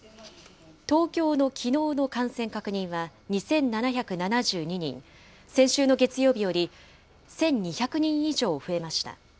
東京のきのうの感染確認は、２７７２人、先週の月曜日より１２００人以上増えました。